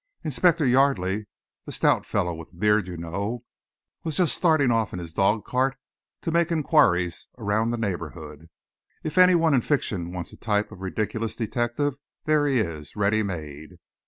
Inspector Yardley the stout fellow with the beard, you know was just starting off in his dog cart to make enquiries round the neighbourhood. If any one in fiction wants a type of the ridiculous detective, there he is, ready made."